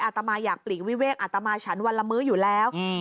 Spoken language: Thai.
ตมาอยากปลีกวิเวกอัตมาฉันวันละมื้ออยู่แล้ว